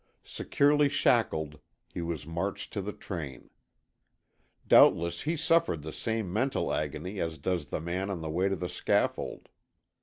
Securely shackled, he was marched to the train. Doubtless he suffered the same mental agony as does the man on the way to the scaffold.